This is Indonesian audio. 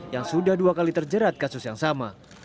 yang sudah dua kali terjerat kasus yang sama